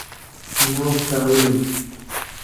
ماڵ کاولم